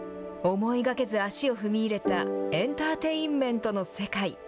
思いがけず足を踏み入れたエンターテインメントの世界。